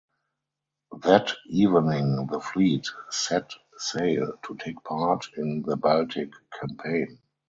That evening the fleet set sail to take part in the Baltic campaign.